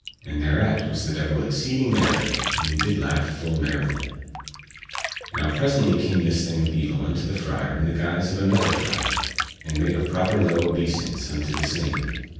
And thereat was the devil exceeding merry and he did laugh full merrily. Now presently came this thing of evil unto the friar in the guise of another friar and made a proper low obeisance unto the same.